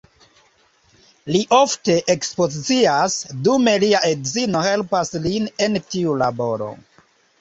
Li ofte ekspozicias, dume lia edzino helpas lin en tiu laboro.